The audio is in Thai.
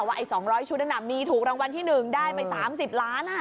วิธี๒๐๐ชุดนั้นมีถูกรางวัลที่๑ได้ไป๓๐ล้านกิโลกรัม